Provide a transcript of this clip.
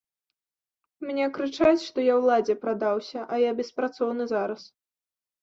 Мне крычаць, што я ўладзе прадаўся, а я беспрацоўны зараз.